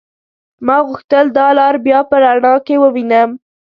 ما غوښتل دا لار بيا په رڼا کې ووينم.